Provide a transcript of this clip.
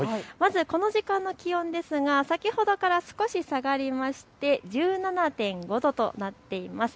この時間の気温ですが先ほどから少し下がりまして１７．５度となっています。